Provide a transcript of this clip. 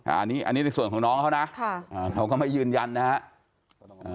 อันนี้อันนี้ในส่วนของน้องเขานะเขาก็ไม่ยืนยันนะครับ